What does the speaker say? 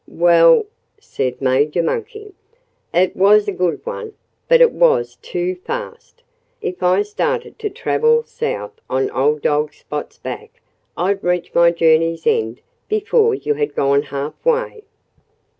"Well," said Major Monkey, "it was a good one; but it was too fast. If I started to travel south on old dog Spot's back I'd reach my journey's end before you had gone half way."